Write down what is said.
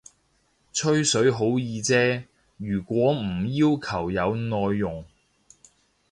吹水好易啫，如果唔要求有內容